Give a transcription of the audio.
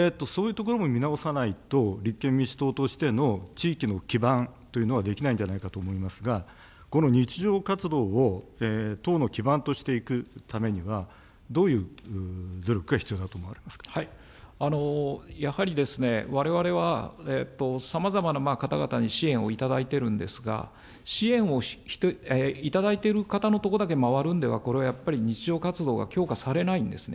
そういうところも見直さないと、立憲民主党としての地域の基盤というのはできないんじゃないかと思いますが、この日常活動を党の基盤としていくためには、どういやはり、われわれはさまざまな方々に支援をいただいているんですが、支援をいただいている方の所だけ回るんでは、これはやっぱり日常活動が強化されないんですね。